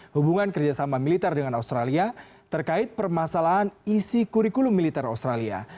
hubungan kerjasama militer dengan australia terkait permasalahan isi kurikulum militer australia